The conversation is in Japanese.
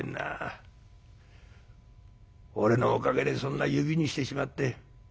俺のおかげでそんな指にしてしまって。